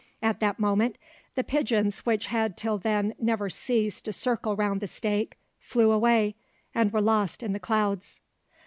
At that moment the pigeons which had till then never ceased to circle round the stake, flew away, and were lost in the clouds.